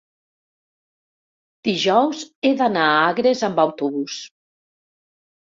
Dijous he d'anar a Agres amb autobús.